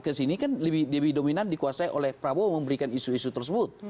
kesini kan lebih dominan dikuasai oleh prabowo memberikan isu isu tersebut